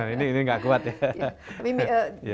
ini nggak kuat ya